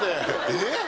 えっ！？